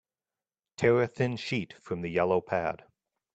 Tear a thin sheet from the yellow pad.